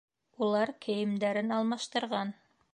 Улар кейемдәрен алмаштырған.